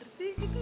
bisur sih itu ya